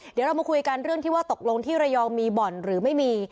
เดี๋ยวเรามาคุยกันเรื่องที่ว่าตกลงที่ระยองมีบ่อนหรือไม่มี